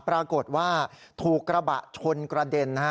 ปรากฏว่าถูกกระบะชนกระเด็นนะฮะ